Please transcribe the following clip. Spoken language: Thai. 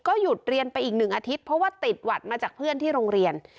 หยุดเรียนไปอีก๑อาทิตย์เพราะว่าติดหวัดมาจากเพื่อนที่โรงเรียน